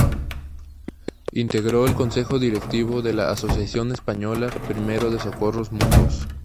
Integró el Consejo Directivo de la Asociación Española Primera de Socorros Mutuos.